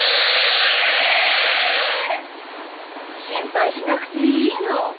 心配しなくていいの。